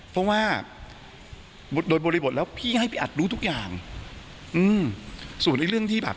เพราะว่าโดยบริบทแล้วพี่ให้พี่อัดรู้ทุกอย่างอืมส่วนไอ้เรื่องที่แบบ